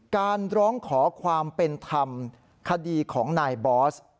การร้องขอความเป็นธรรมคดีของนายบอส